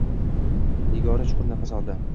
Nigora chuqur nafas oldi.